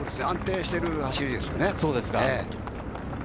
安定している走りですよね。